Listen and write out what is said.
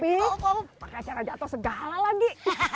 pakai cara jatuh segala lagi